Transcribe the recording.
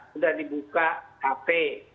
sudah dibuka hp